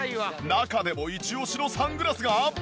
中でもイチオシのサングラスが。